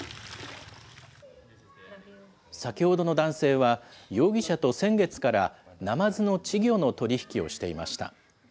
先ほどの男性は、容疑者と先月からナマズの稚魚の取り引きをしていました。